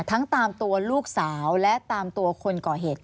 ตามตัวลูกสาวและตามตัวคนก่อเหตุ